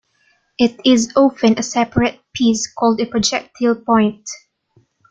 It is often a separate piece called a projectile point.